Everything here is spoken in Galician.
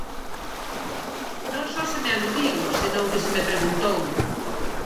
Non só se me aludiu, senón que se me preguntou.